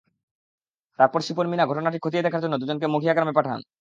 তারপরে শিপন মিনা ঘটনাটি খতিয়ে দেখার জন্য দুজনকে মঘিয়া গ্রামে পাঠান।